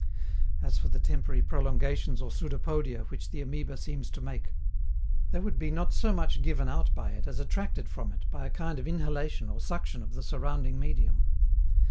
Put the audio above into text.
As for the temporary prolongations or pseudopodia which the amoeba seems to make, they would be not so much given out by it as attracted from it by a kind of inhalation or suction of the surrounding medium.